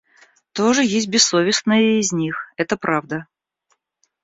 Тоже есть бессовестные и из них, это правда.